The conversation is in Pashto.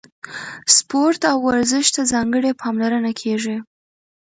سپورت او ورزش ته ځانګړې پاملرنه کیږي.